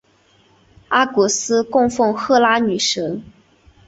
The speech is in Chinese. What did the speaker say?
阿古斯供奉赫拉女神。